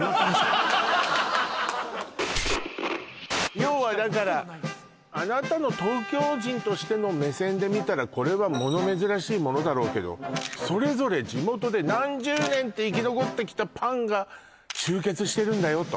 要はだからあなたの東京人としての目線で見たらこれは物珍しいものだろうけどそれぞれ地元で何十年って生き残ってきたパンが集結してるんだよと？